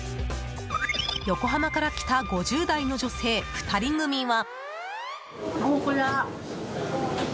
横浜から来た５０代の女性２人組は。